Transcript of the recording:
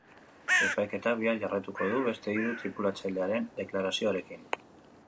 Epaiketak bihar jarraituko du, beste hiru tripulatzaileren deklarazioarekin.